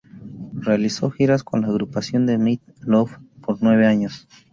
Realizó giras con la agrupación de Meat Loaf por nueve años.